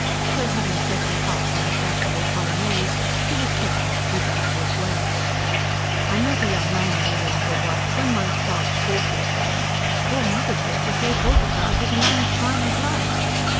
So, having set her heart on a fashionable polonaise, she was careful to keep out of his way. "I'm not a young man any longer, wife. When one's past forty ..." "Poor mother used to say forty five was a man's prime of life."